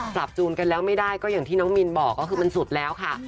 จูนกันแล้วไม่ได้ก็อย่างที่น้องมินบอกก็คือมันสุดแล้วค่ะ